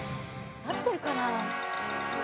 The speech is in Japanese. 合ってるかな？